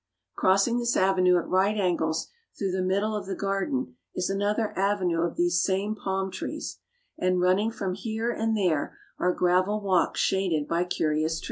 Crossing this avenue at right angles through the mid dle of the garden is another avenue of these same palm trees, and running from it here and there are gravel walks shaded by curious trees.